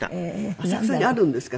浅草にあるんですか？